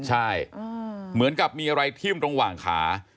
ใช่เหมือนกับมีอะไรทิ่มตรงหว่างขา